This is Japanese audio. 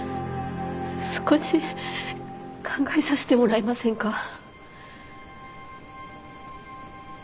少し考えさせてもらえませんか？